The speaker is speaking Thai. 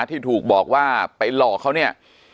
ที่ถูกบอกว่าไปหลอกเขาเนี่ย